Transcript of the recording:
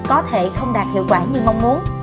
có thể không đạt hiệu quả như mong muốn